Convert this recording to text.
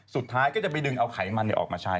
สุดท้ายก็จะไปดึงเอาไขมันออกมาใช้